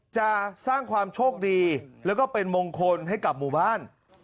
จะสร้างความโชคดีแล้วก็เป็นมงคลให้กับหมู่บ้าน